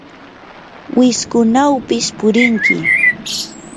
wiskunawpis purinki.